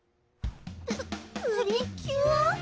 ププリキュア！？